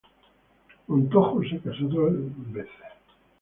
Montojo se casó tres veces.